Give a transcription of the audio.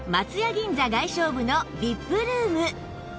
銀座外商部の ＶＩＰ ルーム